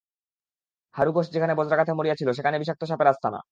হারু ঘোষ যেখানে বজ্রাঘাতে মরিয়াছিল, সেখানটা বিষাক্ত সাপের আস্তানা।